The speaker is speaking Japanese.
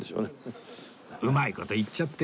うまい事言っちゃって！